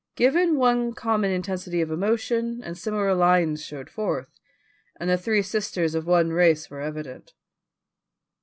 Given one common intensity of emotion and similar lines showed forth, and the three sisters of one race were evident.